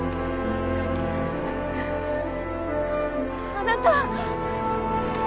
あなた